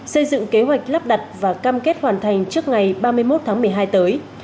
xây dựng kế hoạch lắp đặt và cam kết hoàn thành trước ngày ba mươi một tháng một mươi hai tới